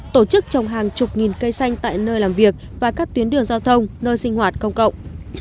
tổ chức trồng hàng chục nghìn cây xanh tại nơi làm việc và các tuyến đường giao thông nơi sinh hoạt công cộng